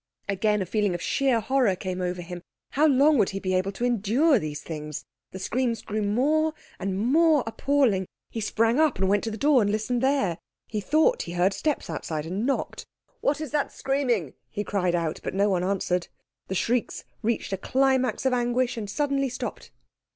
Again a feeling of sheer horror came over him. How long would he be able to endure these things? The screams grew more and more appalling. He sprang up and went to the door, and listened there. He thought he heard steps outside, and knocked. "What is that screaming?" he cried out. But no one answered. The shrieks reached a climax of anguish, and suddenly stopped.